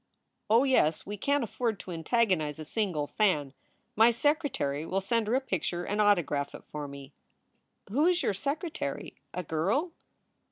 "Oh yes. We can t afford to antagonize a single fan. My secretary will send her a picture and autograph it for me." "Who is your secretary a girl?"